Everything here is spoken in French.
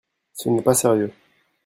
Ce n’est pas sérieux